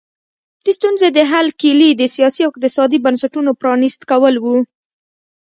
د ستونزې د حل کیلي د سیاسي او اقتصادي بنسټونو پرانیست کول وو.